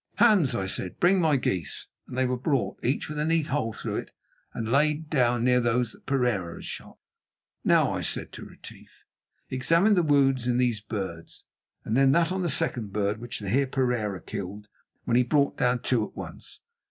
"Hans," I said, "bring my geese," and they were brought, each with a neat hole through it, and laid down near those that Pereira had shot. "Now," I said to Retief, "examine the wounds in these birds, and then that on the second bird which the Heer Pereira killed when he brought down two at once.